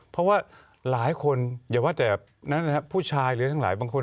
เพราะว่าหลายคนอย่าว่าแต่ผู้ชายหรือทั้งหลายบางคน